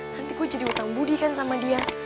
nanti kok jadi utang budi kan sama dia